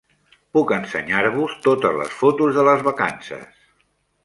Puc ensenyar-vos totes les fotos de les vacances.